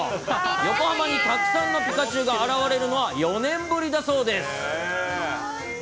横浜にたくさんのピカチュウが現れるのは４年ぶりだそうです。